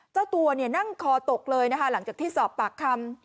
เจ้าตัวนั่งคอตกเลยนะคะหลังจากที่สอบปากคำ